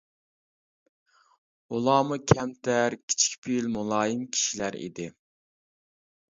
ئۇلارمۇ كەمتەر كىچىك پېئىل، مۇلايىم كىشىلەر ئىدى.